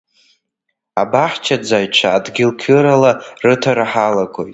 Абаҳчааӡаҩцәа адгьыл қьырала рыҭара ҳалагоит.